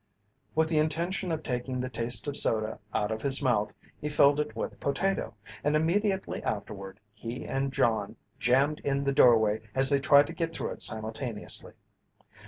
With the intention of taking the taste of soda out of his mouth he filled it with potato, and immediately afterward he and John jammed in the doorway as they tried to get through it simultaneously.